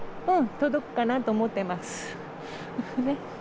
届くと思ってます。